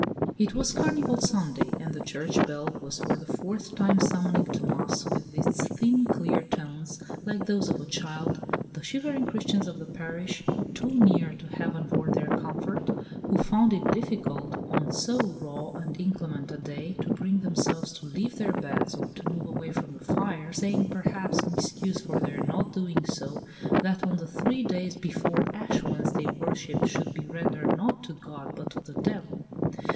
It was Carnival Sunday, and the church bell was for the fourth time summoning to mass with its thin, clear tones, like those of a child, the shivering Christians of this parish (too near to heaven for their comfort), who found it difficult, on so raw and inclement a day, to bring themselves to leave their beds or to move away from the fire, saying, perhaps, in excuse for their not doing so, that on the three days before Ash Wednesday worship should be rendered not to God, but to the devil.